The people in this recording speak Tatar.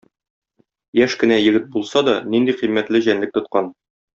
Яшь кенә егет булса да, нинди кыйммәтле җәнлек тоткан.